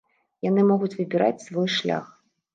Яны могуць выбіраць свой шлях.